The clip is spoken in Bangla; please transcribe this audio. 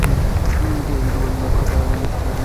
তিনি নকাতালানে লিখতে শুরু করেন।